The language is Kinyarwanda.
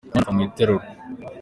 Umwana apfa mwiterura.